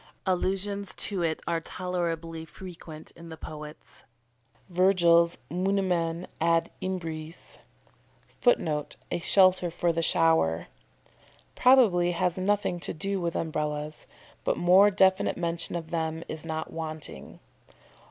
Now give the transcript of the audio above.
Allusions to it are tolerably frequent in the poets. Virgil's "Munimen ad imbres" [Footnote: "A shelter for the shower."] probably has nothing to do with Umbrellas, but more definite mention of them is not wanting.